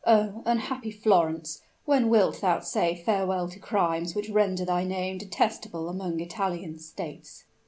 "Oh! unhappy Florence, when wilt thou say farewell to crimes which render thy name detestable among Italian states?"